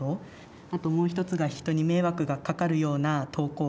あともう一つが人に迷惑がかかるような投稿はしない。